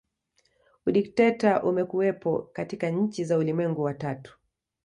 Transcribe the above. Udikteta umekuwepo katika nchi za ulimwengu wa tatu